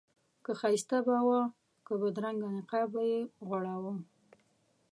که ښایسته به و او که بدرنګه نقاب به یې غوړاوه.